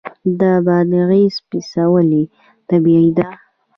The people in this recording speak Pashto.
د بادغیس پسته ولې طبیعي ده؟